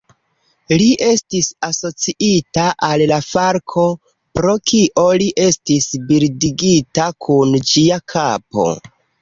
Li estis asociita al la falko, pro kio li estis bildigita kun ĝia kapo.